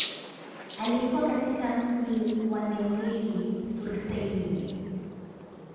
Alikua katika mji wa Neuilly-sur-Seine.